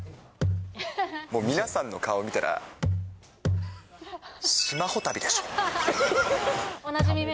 もう皆さんの顔見たら、島ホ旅でしょ。